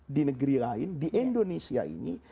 di negeri lain di indonesia ini